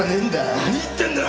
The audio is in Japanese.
何言ってんだよ！